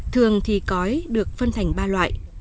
thường thì cõi được phân thành ba loại